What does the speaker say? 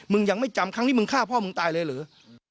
ยังไม่จำครั้งนี้มึงฆ่าพ่อมึงตายเลยหรือ